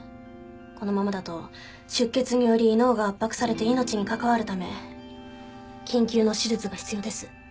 このままだと出血により脳が圧迫されて命に関わるため緊急の手術が必要です。